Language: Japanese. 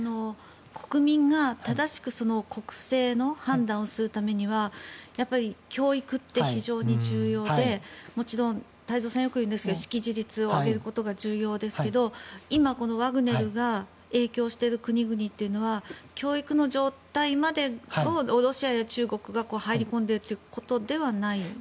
国民が正しく国政の判断をするためには教育って非常に重要でもちろん太蔵さんがよく言うんですが識字率を上げることが重要ですが今、ワグネルが影響している国々というのは教育の状態までロシアが中国が入り込んでいるということではない？